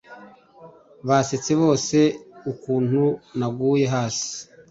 Basetse bose ukuntu naguye hasi